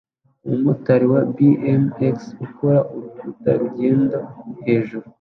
Umumotari wa BMX ukora urukuta-rugendo hejuru